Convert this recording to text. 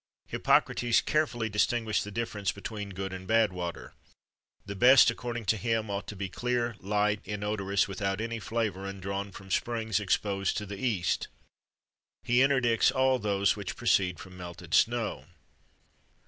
Hippocrates carefully distinguished the difference between good and bad water.[XXV 37] The best, according to him, ought to be clear, light, inodorous, without any flavour, and drawn from springs exposed to the east.[XXV 38] He interdicts all those which proceed from melted snow.